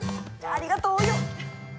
ありがとうお葉！